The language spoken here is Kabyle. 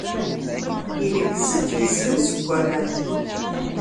Ineggez-d yislem seg aman.